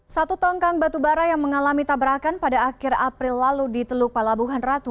satu tongkang batubara yang mengalami tabrakan pada akhir april lalu di teluk palabuhan ratu